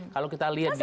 kalau kita lihat di